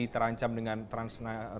terancam dengan transnational